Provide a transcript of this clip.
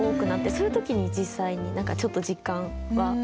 そういう時に実際に何かちょっと実感はします。